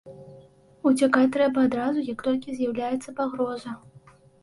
Уцякаць трэба адразу як толькі з'яўляецца пагроза.